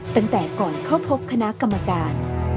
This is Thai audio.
ตั้งแต่ก่อนเข้าพบคณะกรรมการ